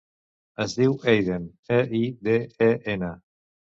Es diu Eiden: e, i, de, e, ena.